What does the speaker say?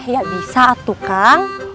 ya bisa atu kang